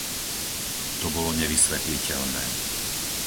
To bolo nevysvetliteľné!